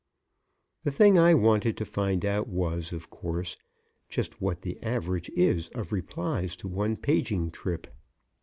The thing I wanted to find out was, of course, just what the average is of replies to one paging trip.